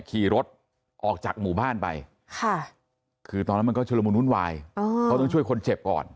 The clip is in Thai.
ขี่รถออกจากหมู่บ้านไปคือตอนนั้นมันก็ชุดละมุนวุ่นวายเขาต้องช่วยคนเจ็บก่อน